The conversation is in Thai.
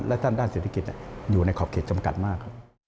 และด้านเศรษฐกิจอยู่ในขอบเขตจำกัดมากครับ